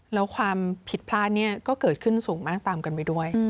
แล้วความผิดพลาดนี้ก็เกิดขึ้นสูงมากตามกันไปด้วย